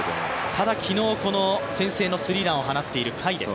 ただ昨日、先制のスリーランを放っている甲斐です。